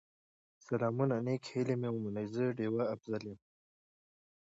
سلامونه نیکې هیلې مې ومنئ، زه ډيوه افضل یم